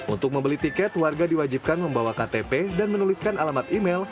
untuk membeli tiket warga diwajibkan membawa ktp dan menuliskan alamat email